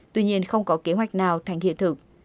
tuy nhiên không có kế hoạch nào thành hiện thực